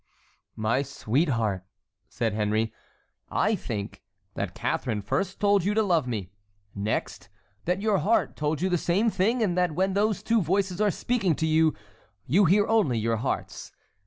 "My sweetheart," said Henry, "I think that Catharine first told you to love me, next, that your heart told you the same thing, and that when those two voices are speaking to you, you hear only your heart's.